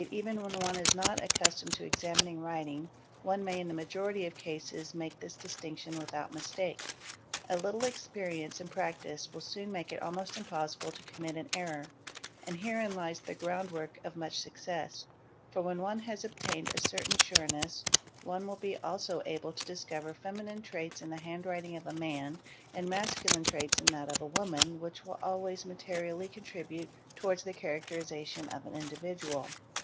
even when one is not accustomed to examining writing one may in the majority of cases make this distinction without mistake. A little ex " perience and practise will soon make it almost impossible to commit an ' error; and herein lies the ground work of much success, for when one _ has obtained a certain sureness one will be also able to discover feminine : raits in the handwriting of a man and masculine traits in that of a woman which will always materially contribute towards the characteri Se Bbticn of an individual @™.